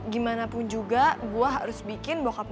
gimana pun juga gue harus bikin bockup